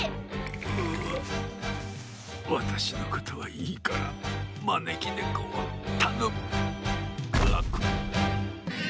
うわたしのことはいいからまねきねこをたのむガクッ。